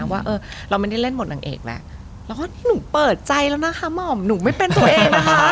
ว่าเออเราไม่ได้เล่นบทนางเอกแล้วแล้วก็หนูเปิดใจแล้วนะคะหม่อมหนูไม่เป็นตัวเองนะคะ